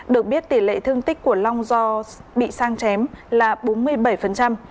được biết tỷ lệ thương tích của long do bị sang chém là bốn mươi bảy